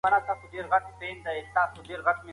ثمرګل د ګلالۍ د پخلي ډېره ستاینه وکړه.